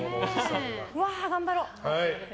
うわあ、頑張ろう！